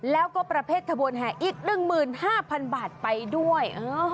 แล้วก็ประเภทขบวนแห่อีก๑๕๐๐๐บาทไปด้วย